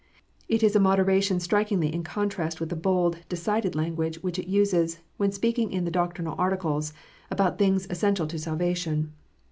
It is a moderation strikingly in contrast with the bold, decided language which it uses when speaking in the Doctrinal Articles about things essential to salvation.